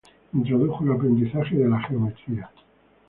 Introdujo el aprendizaje de la geometría.